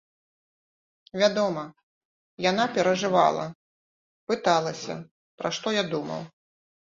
Вядома, яна перажывала, пыталася, пра што я думаў.